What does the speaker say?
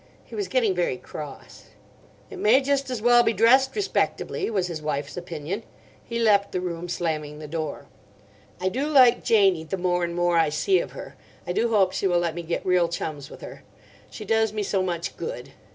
He was getting very cross. "'It may just as well be dressed respectably,' was his wife's opinion. He left the room, slamming the door. "I do like Janie the more and more I see of her. I do hope she will let me get real chums with her. She does me so much good.